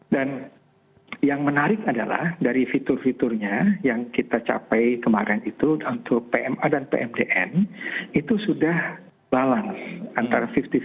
dan yang menarik adalah dari fitur fiturnya yang kita capai kemarin itu untuk pma dan pmdn itu sudah balance antara lima puluh lima puluh